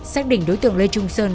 xác định đối tượng lê trung sơn